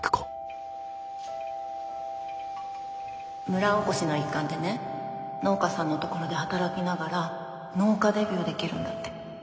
村おこしの一環でね農家さんのところで働きながら農家デビューできるんだって。